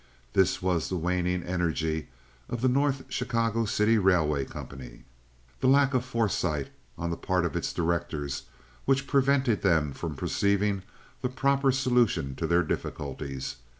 This was the waning energy of the North Chicago City Railway Company—the lack of foresight on the part of its directors which prevented them from perceiving the proper solution of their difficulties.